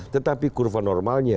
tetapi kurva normalnya